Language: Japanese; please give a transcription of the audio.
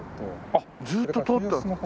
あっずっと通って。